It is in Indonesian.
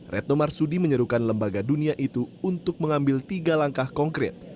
retno marsudi menyerukan lembaga dunia itu untuk mengambil tiga langkah konkret